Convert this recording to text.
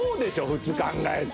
普通考えて。